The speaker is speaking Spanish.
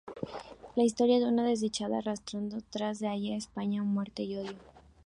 La historia de una desdichada arrastrando tras de sí en España, muerte y odio.